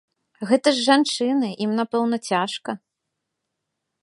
Гэта ж жанчыны, ім напэўна цяжка.